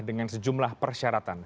dengan sejumlah persyaratan